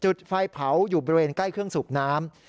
จุดไฟเผาอยู่บริเวณใกล้เครื่องสูบน้ำ